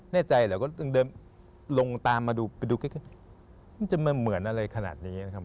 แน่ใจเหรอลงตามมาดูมันจะเหมือนอะไรขนาดนี้